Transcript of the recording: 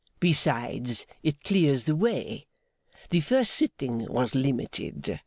Besides, it clears the way. The first sitting was limited.